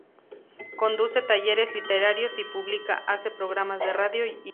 Conduce talleres literarios y publica, hace programas de radio y se enamora.